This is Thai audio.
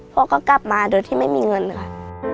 พ่อก็กลับมาโดยที่ไม่มีเงินค่ะ